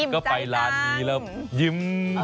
ก็ไปร้านนี้แล้วยิ้ม